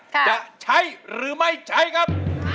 จะใช้หรือไม่ใช้ครับ